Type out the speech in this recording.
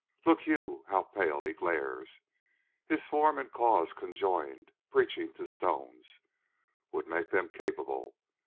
Look you how pale he glares! His form and cause conjoined, preaching to stones, Would make them capable.